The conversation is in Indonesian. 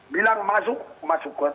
bilang masuk masuk